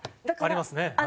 ありますね。